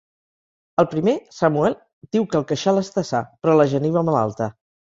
El primer, Samuel, diu que el queixal està sa, però la geniva malalta.